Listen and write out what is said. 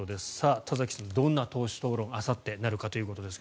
田崎さん、どんな党首討論にあさってなるかということですが。